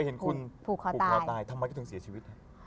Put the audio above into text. เห็นคุณผูกคอตายทำไมก็ถึงเสียชีวิต